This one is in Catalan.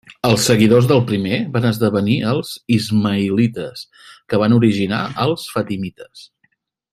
Els seguidors del primer van esdevenir els ismaïlites que van originar els fatimites.